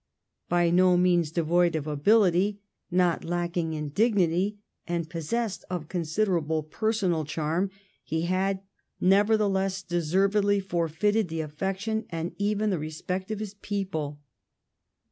By no means de void of ability, not lacking in dignity, and possessed of considerable personal charm,^ he had nevertheless deservedly forfeited the affection and even the respect of his people.